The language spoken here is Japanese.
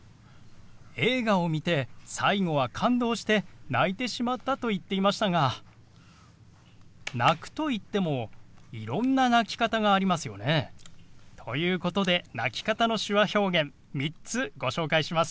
映画を見て最後は感動して泣いてしまったと言ってましたが泣くといってもいろんな泣き方がありますよね。ということで泣き方の手話表現３つご紹介します。